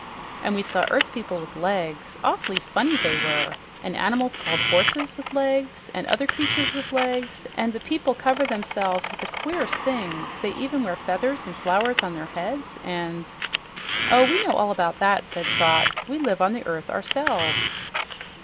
"And we saw earth people with legs, awfully funny they were; and animals called horses, with legs; and other creatures with legs; and the people cover themselves with the queerest things they even wear feathers and flowers on their heads, and " "Oh, we know all about that," said Trot. "We live on the earth ourselves."